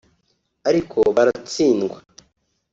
ariko baratsindwa